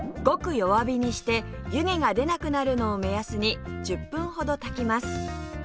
ごく弱火にして湯気が出なくなるのを目安に１０分ほど炊きます